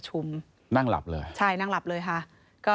ใช่นั่งหลับเลยค่ะ